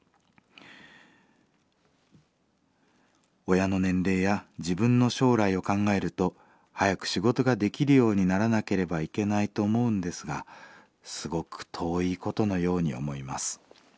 親の年齢や自分の将来を考えると早く仕事ができるようにならなければいけないと思うんですがすごく遠いことのように思います。